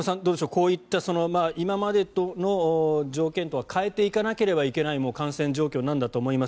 こういった今までの条件とは変えていかなければいけない感染状況なんだと思います。